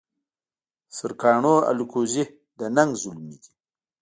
سرکاڼو الکوزي د ننګ زلمي دي